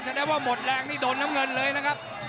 แสดงว่าหมดแรงนี่โดนน้ำเงินเลยนะครับ